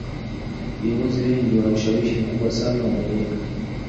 viongozi wengi wana ushawishi mkubwa sana wa maneno